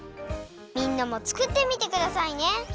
みんなもつくってみてくださいね。